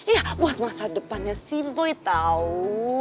ya buat masa depannya si boy tau